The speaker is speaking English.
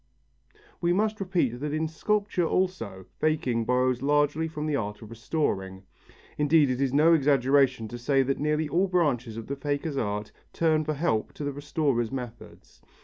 We must repeat that in sculpture also, faking borrows largely from the art of restoring. Indeed it is no exaggeration to say that nearly all branches of the faker's art turn for help to the restorer's methods.